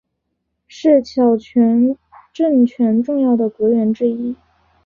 是小泉政权重要的阁员之一。